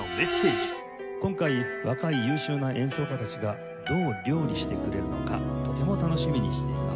「今回若い優秀な演奏家たちがどう料理してくれるのかとても楽しみにしています」